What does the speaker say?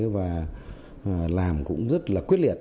và làm cũng rất là quyết liệt